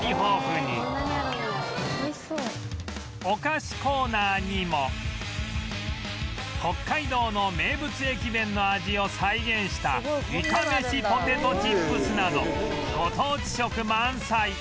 お菓子コーナーにも北海道の名物駅弁の味を再現したいかめしポテトチップスなどご当地色満載